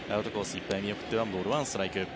いっぱい見送って１ボール１ストライク。